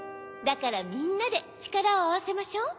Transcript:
だからみんなでちからをあわせましょう！